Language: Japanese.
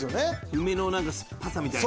梅の酸っぱさみたいな。